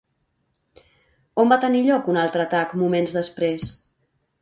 On va tenir lloc un altre atac moments després?